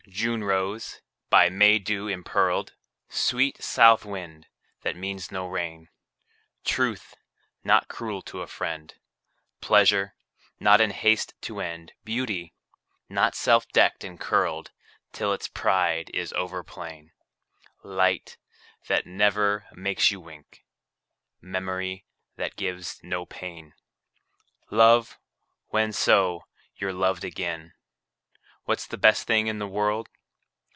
June rose, by May dew impearled; Sweet south wind, that means no rain; Truth, not cruel to a friend; Pleasure, not in haste to end; Beauty, not self decked and curled Till its pride is over plain; Light, that never makes you wink; Memory, that gives no pain; Love, when, so, you're loved again. What's the best thing in the world?